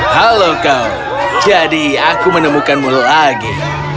halo kau jadi aku menemukanmu lagi